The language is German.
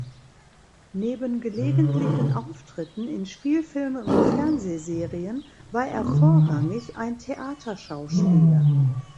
Neben gelegentlichen Auftritten in Spielfilmen und Fernsehserien war er vorrangig ein Theaterschauspieler.